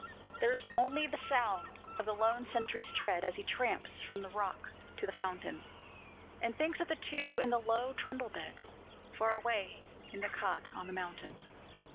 There's only the sound of the lone sentry's tread As he tramps from the rock to the fountain, And thinks of the two in the low trundle bed Far away in the cot on the mountain.